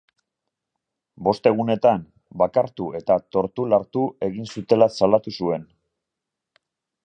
Bost egunetan bakartu eta tortulartu egin zutela salatu zuen.